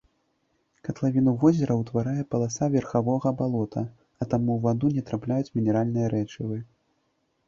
Катлавіну возера ўтварае паласа верхавога балота, а таму ў ваду не трапляюць мінеральныя рэчывы.